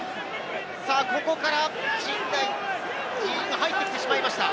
ここから陣内、自陣に入ってきてしまいました。